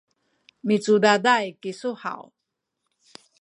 micudaday kisu haw?